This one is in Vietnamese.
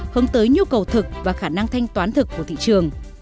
hướng tới nhu cầu thực và khả năng thanh toán thực của thị trường